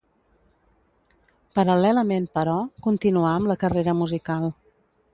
Paral·lelament, però, continuà amb la carrera musical.